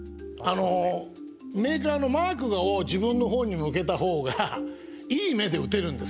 メーカーのマークを自分の方に向けた方がいい目で打てるんですよ。